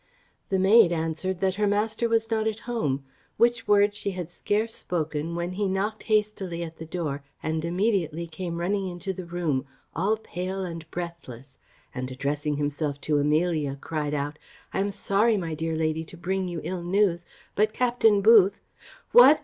The maid answered that her master was not at home; which words she had scarce spoken, when he knocked hastily at the door, and immediately came running into the room, all pale and breathless, and, addressing himself to Amelia, cried out, "I am sorry, my dear lady, to bring you ill news; but Captain Booth" "What!